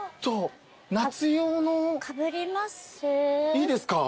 いいですか？